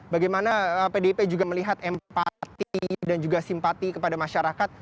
bagaimana pdip juga melihat empati dan juga simpati kepada masyarakat